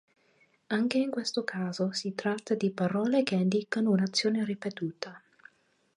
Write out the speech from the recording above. Anche in questo caso si tratta di parole che indicano un'azione ripetuta.